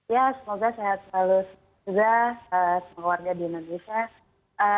ya semoga sehat selalu juga semua warga di indonesia